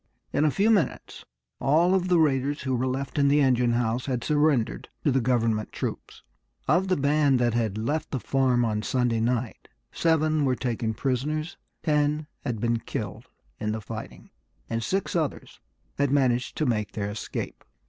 In a few minutes all of the raiders who were left in the engine house had surrendered to the government troops. Of the band that had left the farm on Sunday night seven were taken prisoners, ten had been killed in the fighting, and six others had managed to make their escape.